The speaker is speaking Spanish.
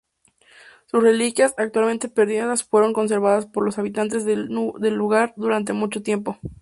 Sus reliquias, actualmente perdidas, fueron conservadas por los habitantes del lugar durante mucho tiempo.